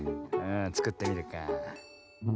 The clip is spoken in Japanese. つくってみるか。